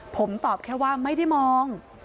ผมตอบแค่ว่าไม่ได้มอง